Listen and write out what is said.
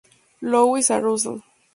Louis a Russell.